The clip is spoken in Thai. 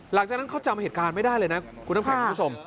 หลังจากนั้นเขาจำเหตุการณ์ไม่ได้เลยนะคุณน้ำแข็งคุณผู้ชม